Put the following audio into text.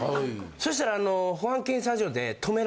そしたら。